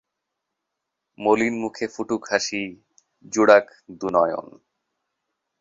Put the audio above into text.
মলিন মুখে ফুটুক হাসি জুড়াক দু-নয়ন।